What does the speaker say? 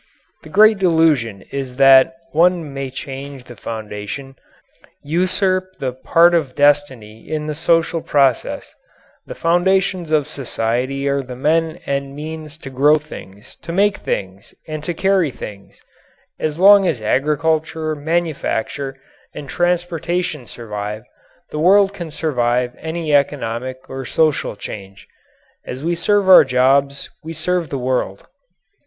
The great delusion is that one may change the foundation usurp the part of destiny in the social process. The foundations of society are the men and means to grow things, to make things, and to carry things. As long as agriculture, manufacture, and transportation survive, the world can survive any economic or social change. As we serve our jobs we serve the world.